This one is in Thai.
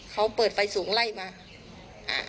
เขาเปิดไฟสูงไล่มาค่ะ